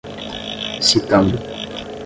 citando